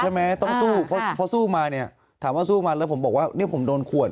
ใช่ไหมต้องสู้เพราะสู้มาเนี่ยถามว่าสู้มาแล้วผมบอกว่าเนี่ยผมโดนขวด